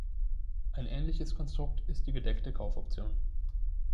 Ein ähnliches Konstrukt ist die gedeckte Kaufoption.